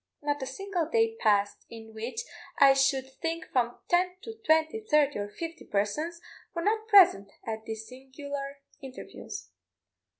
Not a single day passed in which I should think from ten to twenty, thirty, or fifty persons, were not present at these singular interviews.